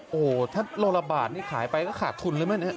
โอ้โหถ้าโลละบาทนี่ขายไปก็ขาดทุนเลยไหมเนี่ย